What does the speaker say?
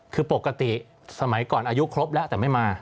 คือปกติสมัยก่อนอายุครบแล้วแต่ไม่มา